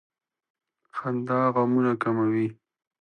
• خندا غمونه کموي.